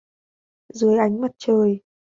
Dưới ánh mặt trời